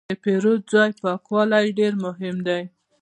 د پیرود ځای پاکوالی ډېر مهم دی.